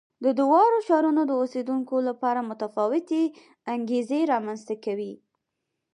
د دواړو ښارونو د اوسېدونکو لپاره متفاوتې انګېزې رامنځته کوي.